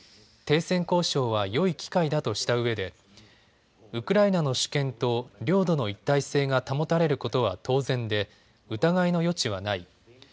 停戦交渉はよい機会だとしたうえでウクライナの主権と領土の一体性が保たれることは当然で疑いの余地はない。